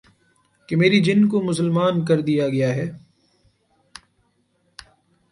کہ میرے جن کو مسلمان کر دیا گیا ہے